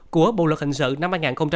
của bộ luật hình sự năm hai nghìn một mươi năm